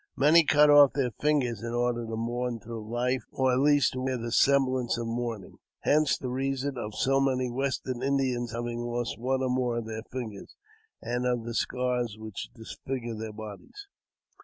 Many cut off their fingers in order to mourn through hfe, or, at least, to wear the semblance of mourning ; hence the reason of so many Western Indians having lost one or more of their fingers, and of the scars which disfigure their bodies.